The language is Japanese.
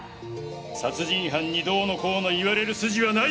殺人犯にどうのこうの言われる筋はない！